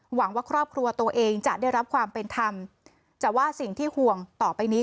หวังว่าครอบครัวตัวเองจะได้รับความเป็นธรรมแต่ว่าสิ่งที่ห่วงต่อไปนี้